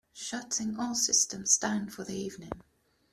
Shutting all systems down for the evening.